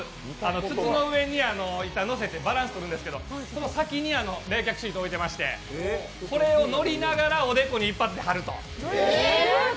筒の上に板を載せてバランスをとるんですけどその先に冷却シートを置いてまして、これを一発でおでこに貼ると。